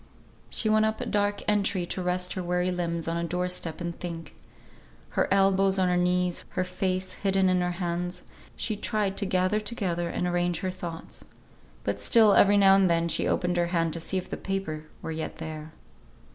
She went up a dark entry to rest her weary limbs on a door step and think. Her elbows on her knees, her face hidden in her hands, she tried to gather together and arrange her thoughts. But still every now and then she opened her hand to see if the paper were yet there.